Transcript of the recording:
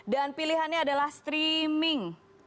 dan pilihannya adalah streaming